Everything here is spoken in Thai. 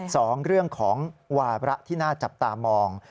สองเรื่องของวาระที่น่าจับตามอง